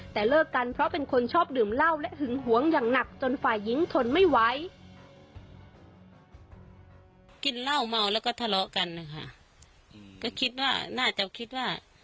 แต่เลิกกันเพราะเป็นคนชอบดื่มเหล้าและหึงหวงอย่างหนักจนฝ่ายหญิงทนไม่ไหว